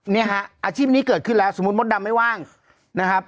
เนี่ยฮะอาชีพนี้เกิดขึ้นแล้วสมมุติมดดำไม่ว่างนะครับ